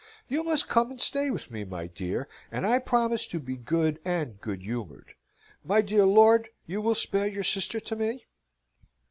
"You must come and stay with me, my dear, and I promise to be good and good humoured. My dear lord, you will spare your sister to me?"